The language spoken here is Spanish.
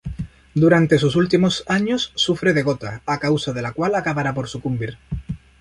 Durante sus últimos años, sufre de gota,a causa de la cual acabará por sucumbir.